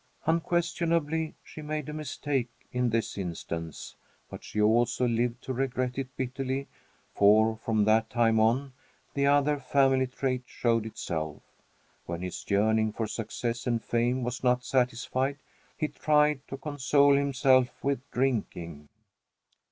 Unquestionably she made a mistake in this instance, but she also lived to regret it bitterly, for, from that time on, the other family trait showed itself. When his yearning for success and fame was not satisfied, he tried to console himself with drinking.